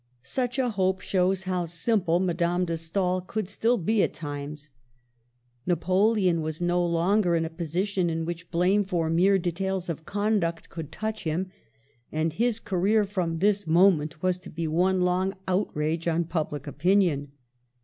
Such a hope shows how simple Madame de Stael could still be at times. Napoleon was no longer in a position in which blame for mere de tails of conduct could touch him, and his career from this moment was to be one long outrage on public opinion.